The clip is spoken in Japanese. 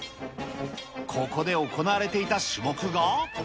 ここで行われていた種目が。